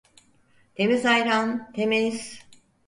Temiz ayran… Temiz…